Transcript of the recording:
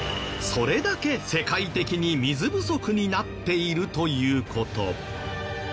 それだけ世界的に水不足になっているという事。